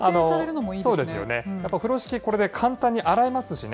風呂敷、これ簡単に洗えますしね。